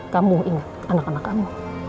kamu ingat anak anak kamu